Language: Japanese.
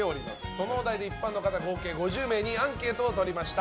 そのお題で一般の方合計５０名にアンケートを取りました。